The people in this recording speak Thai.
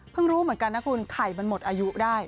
รู้เหมือนกันนะคุณไข่มันหมดอายุได้